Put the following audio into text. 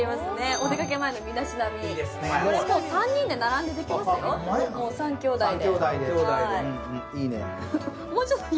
お出かけ前に身だしなみ、３人で並んでできますよ、３兄弟で。